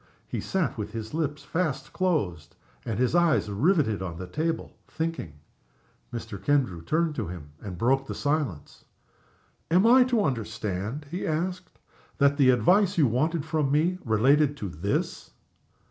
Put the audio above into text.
He sat with his lips fast closed and his eyes riveted on the table, thinking. Mr. Kendrew turned to him, and broke the silence. "Am I to understand," he asked, "that the advice you wanted from me related to _this?